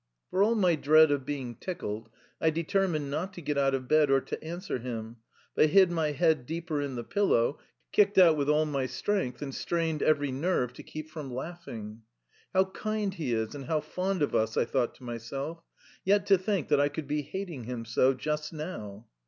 For all my dread of being tickled, I determined not to get out of bed or to answer him, but hid my head deeper in the pillow, kicked out with all my strength, and strained every nerve to keep from laughing. "How kind he is, and how fond of us!" I thought to myself. "Yet to think that I could be hating him so just now!"